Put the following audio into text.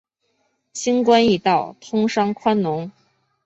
轻关易道，通商宽农